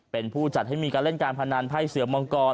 เป็นผู้จัดให้มีการเล่นการพนันไพ่เสือมังกร